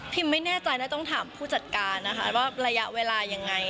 ไม่แน่ใจนะต้องถามผู้จัดการนะคะว่าระยะเวลายังไง